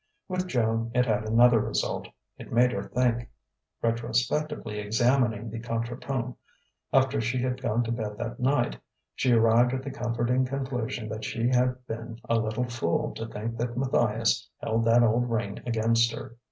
With Joan it had another result: it made her think. Retrospectively examining the contretemps, after she had gone to bed that night, she arrived at the comforting conclusion that she had been a little fool to think that Matthias "held that old ring against her."